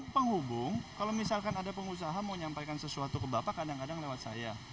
penghubung kalau misalkan ada pengusaha mau nyampaikan sesuatu ke bapak kadang kadang lewat saya